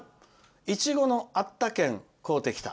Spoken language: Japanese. いちごのあったけん、こうてきた。